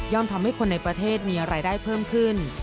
ทำให้คนในประเทศมีรายได้เพิ่มขึ้น